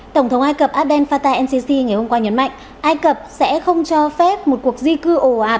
tổng thống ai cập abdel fattah el sisi ngày hôm qua nhấn mạnh ai cập sẽ không cho phép một cuộc di cư ồ ạt